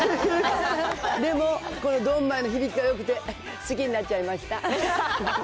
でも、ドンマイの響きがよくて、好きになっちゃいました。